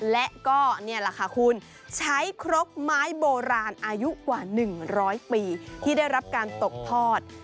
และก็นี่แหละค่ะคุณใช้ครกไม้โบราณอายุกว่า๑๐๐ปีที่ได้รับการตกทอด